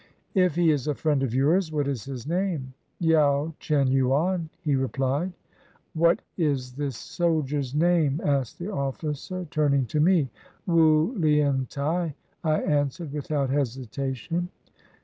"If he is a friend of yours, what is his name?" "Yao Chen yuan," he replied. "What is this soldier's name? " asked the officer, turn ing to me. "Wu Lien t'ai," I answered without hesitation.